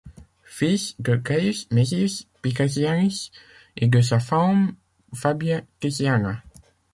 Fils de Gaius Maesius Picatianus et de sa femme Fabia Titiana.